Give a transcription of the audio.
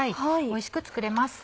おいしく作れます。